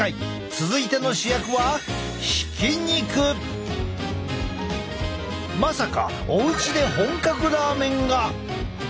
続いての主役はまさかお家で本格ラーメンが！？